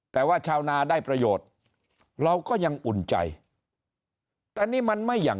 แต่ว่าชาวนาได้ประโยชน์เราก็ยังอุ่นใจแต่นี่มันไม่อย่าง